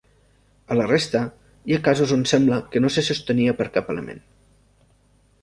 A la resta, hi ha casos on sembla que no se sostenia per cap element.